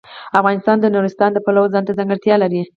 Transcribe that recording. افغانستان د نورستان د پلوه ځانته ځانګړتیا لري.